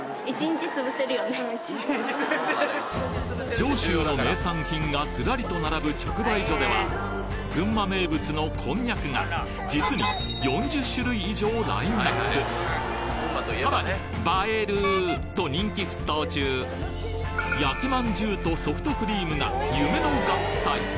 上州の名産品がずらりと並ぶ直売所では群馬名物のこんにゃくが実に４０種類以上ラインナップさらに「映える」と人気沸騰中焼きまんじゅうとソフトクリームが夢の合体！